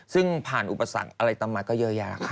ซึ่งผ่านอุปสรรคอะไรตามมาก็เยอะแยะค่ะ